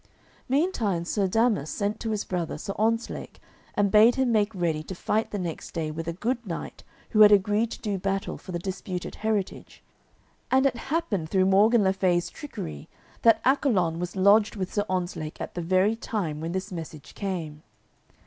Meantime Sir Damas sent to his brother, Sir Ontzlake, and bade him make ready to fight the next day with a good knight who had agreed to do battle for the disputed heritage; and it happened through Morgan le Fay's trickery that Accolon was lodged with Sir Ontzlake at the very time when this message came.